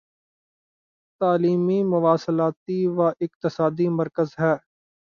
تعلیمی مواصلاتی و اقتصادی مرکز ہے